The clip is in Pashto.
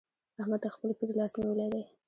احمد د خپل پير لاس نيولی دی.